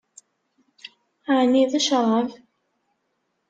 Ɛni d ccṛab?